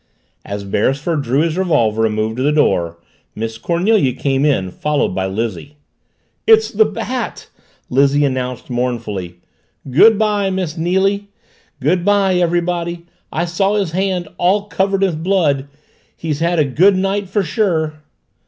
As Beresford drew his revolver and moved to the door, Miss Cornelia came in, followed by Lizzie. "It's the Bat," Lizzie announced mournfully. "Good by, Miss Neily. Good by, everybody. I saw his hand, all covered with blood. He's had a good night for sure!"